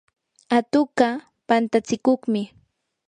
atuqqa pantatsikuqmi.